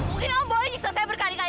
mungkin om boleh ikut saya berkali kali